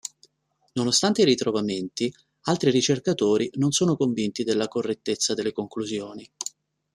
Nonostante i ritrovamenti, altri ricercatori non sono convinti della correttezza delle conclusioni.